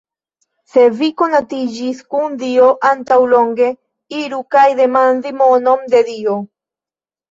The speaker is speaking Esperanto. Se vi konatiĝis kun Dio antaŭlonge, iru kaj demandi monon de Dio